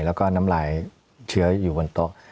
แล้วก็น้ำลายเชื้ออยู่บนโต๊ะ